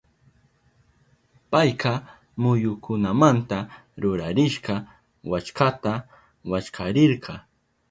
Payka muyukunamanta rurarishka wallkata wallkarirka.